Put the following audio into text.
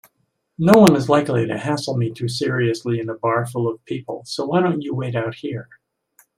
Noone is likely to hassle me too seriously in a bar full of people, so why don't you wait out here?